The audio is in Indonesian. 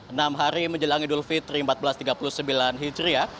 enam hari menjelang idul fitri seribu empat ratus tiga puluh sembilan hijriah